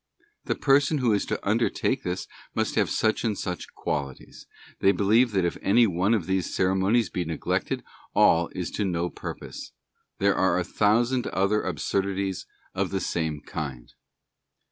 The person who is to undertake this must have such and such qualities. They believe that if any one of these ceremonies be neglected all is to no purpose. There are a thousand other absurdities of the same kind.